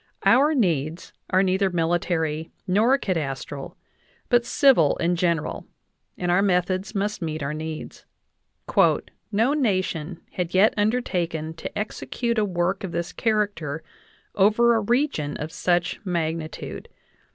Our needs are neither military nor cadastral, but civil and general, and our methods must meet our needs. "No nation had yet undertaken to execute a work of this character over a region of such magnitude.